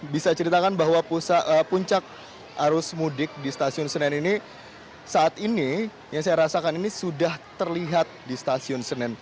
bisa ceritakan bahwa puncak arus mudik di stasiun senen ini saat ini yang saya rasakan ini sudah terlihat di stasiun senen